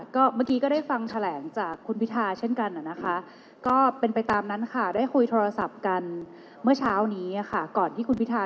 คุณพิทาได้คุยกับคุณแคนทองค่ะว่าเรื่องอะไรบ้างค่ะและรายละเอียดใดใด